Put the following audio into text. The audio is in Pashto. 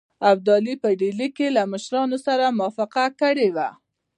ابدالي په ډهلي کې له مشرانو سره موافقه کړې وه.